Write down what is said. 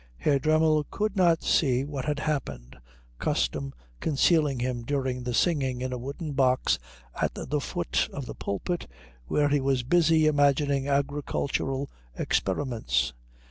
Herr Dremmel could not see what had happened, custom concealing him during the singing in a wooden box at the foot of the pulpit where he was busy imagining agricultural experiments.